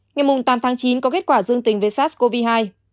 ngày mùng tám tháng chín có kết quả xét nghiệm dương tính